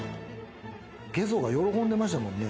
ゲソが喜んでましたもんね。